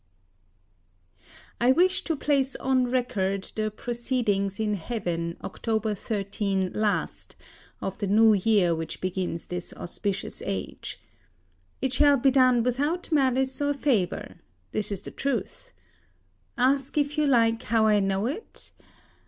I wish to place on record the proceedings in heaven 1 October 13 last, of the new year which begins this auspicious age. It shall be done without malice or favour. This is the truth. Ask if you like how I know it?